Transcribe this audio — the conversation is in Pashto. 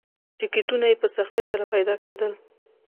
ټکټونه یې په سختۍ سره پیدا کېدل.